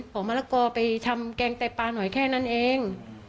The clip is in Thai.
มะละกอไปทำแกงไตปลาหน่อยแค่นั้นเอง